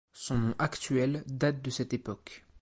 Son nom actuel date de cette époque.